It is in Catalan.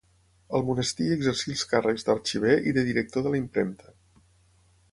Al monestir exercí els càrrecs d'arxiver i de director de la impremta.